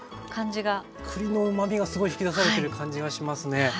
栗のうまみがすごい引き出されてる感じがしますね。